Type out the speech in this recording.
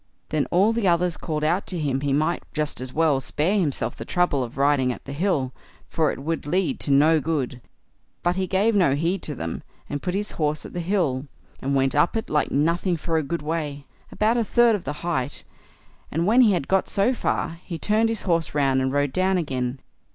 Then all the others called out to him he might just as well spare himself the trouble of riding at the hill, for it would lead to no good; but he gave no heed to them, and put his horse at the hill, and went up it like nothing for a good way, about a third of the height; and when he had got so far, he turned his horse round and rode down again.